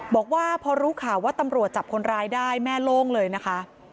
บอกว่าพอรู้ข่าวว่าตำรวจจับคนร้ายได้แม่โล่งเลยนะคะ